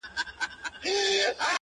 درله به درکړم دَ اوربل ګلاب انعام هلکه